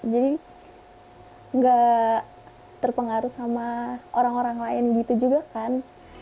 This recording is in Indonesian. jadi gak terpengaruh sama orang orang lain gitu juga kan